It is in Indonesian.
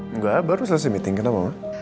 enggak baru selesai meeting kenapa enggak